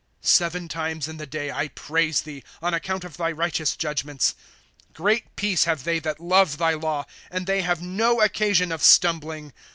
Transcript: * Seven times in the day I praise thee, On account of thy righteous judgments. ^ Great peace have they tliat love thy law ; And they have no occasion of stumbling.